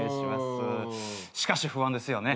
しかし不安ですよね。